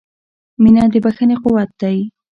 • مینه د بښنې قوت دی.